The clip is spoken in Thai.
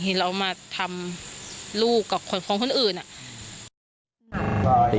เห็นเรามาทำลูกกับของคนอื่นอะ